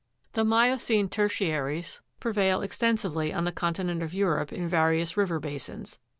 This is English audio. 18. The miocene tertiaries prevail extensively on the continent of Europe ia, various river basins.